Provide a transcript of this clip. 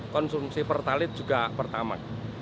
konsumsi pertalit juga pertama